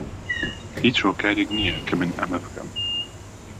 هیچ هۆکارێک نییە کە من ئەمە بکەم.